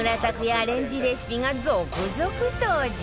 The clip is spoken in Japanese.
アレンジレシピが続々登場！